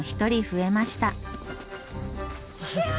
ひゃ！